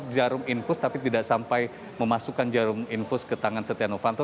jarum infus tapi tidak sampai memasukkan jarum infus ke tangan setia novanto